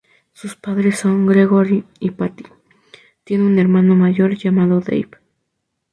Su padres son Gregory y Patty; tiene un hermano menor llamado Dave.